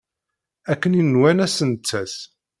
Akken i nwan ad sen-d-tas.